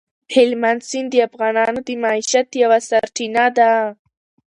هلمند سیند د افغانانو د معیشت یوه سرچینه ده.